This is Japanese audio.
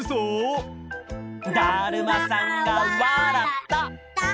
だるまさんがわらった！